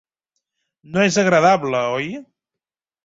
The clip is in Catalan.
No és agradable, oi?